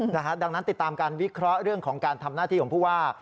ดังนั้นติดตามการวิเคราะห์เรื่องของการทำหน้าที่ของผู้ว่า